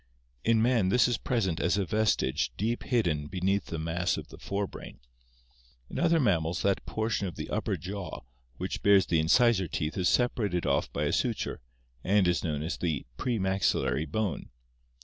In man this is present as a vestige deep hidden beneath the mass of the fore brain. In other mammals that portion of the upper jaw which bears the THE EVOLUTION OF MAN 663 incisor teeth is separated off by a suture, and is known as the premaxillary bone.